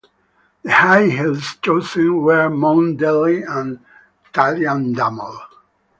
The high hills chosen were Mount Delly and Tadiandamol.